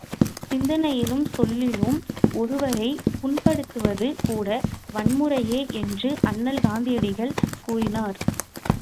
சிந்தனையிலும் சொல்லிலும், ஒருவரைப் புண்படுத்துவது கூட வன்முறையே என்று அண்ணல் காந்தியடிகள் கூறினார்.